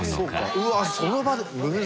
うわその場で！？